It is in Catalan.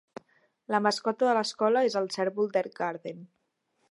La mascota de l'escola és el cérvol d'Elk Garden.